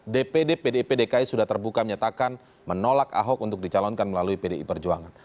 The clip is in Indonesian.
dpd pdip dki sudah terbuka menyatakan menolak ahok untuk dicalonkan melalui pdi perjuangan